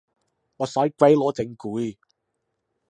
我使鬼攞證據